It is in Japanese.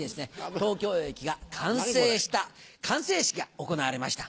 東京駅が完成した完成式が行われました。